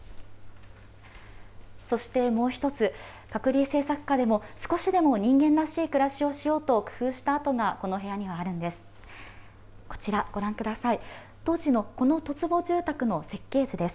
そしてもう一つ、隔離政策下でも少しでも人間らしい暮らしをしようと工夫した跡がこの部屋にはあるんです。